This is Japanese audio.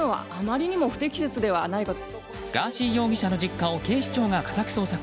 ガーシー容疑者の実家を警視庁が家宅捜索。